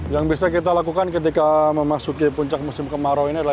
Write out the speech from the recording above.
yang bisa kita lakukan ketika memasuki puncak musim kemarau ini adalah